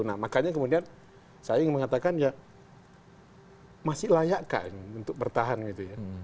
nah makanya kemudian saya ingin mengatakan ya masih layakkah ini untuk bertahan gitu ya